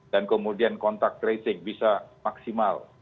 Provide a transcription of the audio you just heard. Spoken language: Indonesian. dan kemudian kontak krisik bisa maksimal